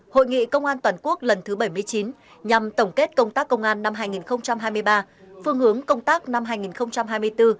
hội nghị công an toàn quốc lần thứ bảy mươi chín nhằm tổng kết công tác công an năm hai nghìn hai mươi ba phương hướng công tác năm hai nghìn hai mươi bốn